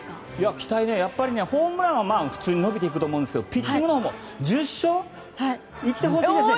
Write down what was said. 期待は、ホームランは普通に伸びていくと思いますがピッチングのほうも１０勝いってほしいですね。